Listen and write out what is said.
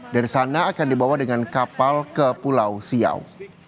dari sana akan dibawa dengan kapal ke pulau siau